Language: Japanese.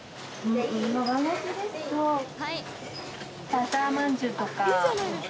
バターまんじゅう。